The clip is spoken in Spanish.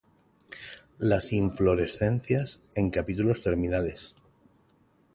Las inflorescencias en capítulos terminales.